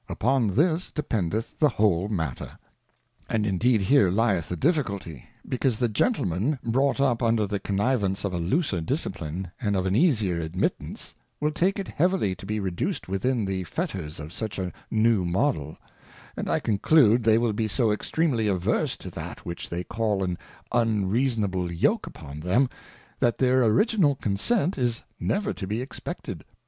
Upon this dependeth the whole Matter ; and hi deed here lieth the difficulty, because the Gentlemen brought up under the_ Connivance of a looser Discipline, and of an easier admittance, will take it heavily to be reduced within the Fetters of such a New Model ; and I conclude, they will be so extreamly averse to that which they call an unreasonable Yoke upon them, that their Original Consent is never to be expected.